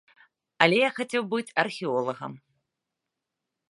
Але я хацеў быць археолагам.